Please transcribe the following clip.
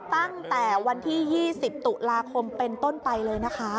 ตั้งแต่วันที่๒๐ตุลาคมเป็นต้นไปเลยนะคะ